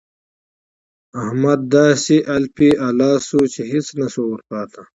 احمد داسې الپی الا سو چې هيڅ نه شول ورپاته.